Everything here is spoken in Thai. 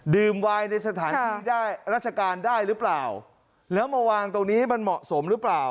วายในสถานที่ได้ราชการได้หรือเปล่าแล้วมาวางตรงนี้มันเหมาะสมหรือเปล่า